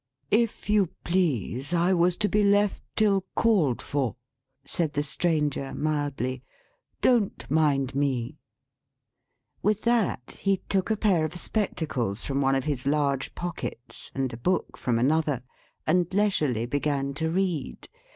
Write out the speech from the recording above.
"If you please, I was to be left till called for," said the Stranger, mildly. "Don't mind me." With that, he took a pair of spectacles from one of his large pockets, and a book from another; and leisurely began to read.